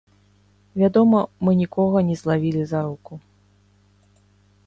Вядома, мы нікога не злавілі за руку.